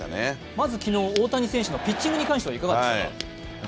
まず昨日、大谷選手のピッチングに関してはいかがでしたか？